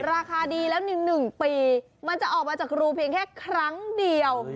ราคาดีแล้ว๑ปีมันจะออกมาจากรูเพียงแค่ครั้งเดียว